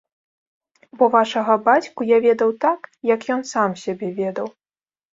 Бо вашага бацьку я ведаў так, як ён сам сябе ведаў.